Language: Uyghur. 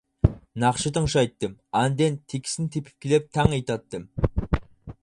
ناخشا تىڭشايتتىم، ئاندىن تېكىستىنى تېپىپ كېلىپ تەڭ ئېيتاتتىم.